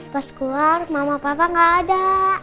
pas keluar mama papa gak ada